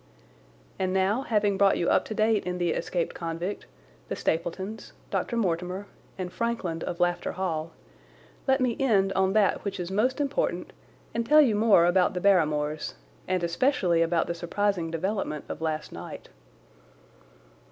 And now, having brought you up to date in the escaped convict, the Stapletons, Dr. Mortimer, and Frankland, of Lafter Hall, let me end on that which is most important and tell you more about the Barrymores, and especially about the surprising development of last night.